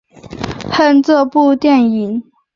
恨这部电影！